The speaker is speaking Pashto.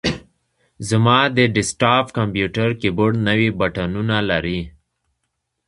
زما د ډیسک ټاپ کمپیوټر کیبورډ نوي بټنونه لري.